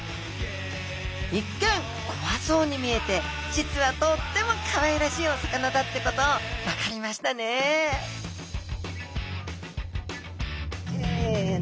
一見怖そうに見えて実はとってもかわいらしいお魚だってこと分かりましたねせの！